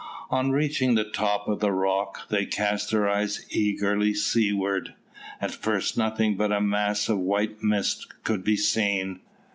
On reaching the top of the rock, they cast their eyes eagerly seaward. At first nothing but a mass of white mist could be seen.